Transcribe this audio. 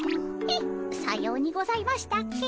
えっさようにございましたっけ？